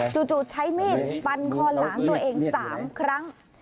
ใช้มีดฟันคอหลานตัวเอง๓ครั้ง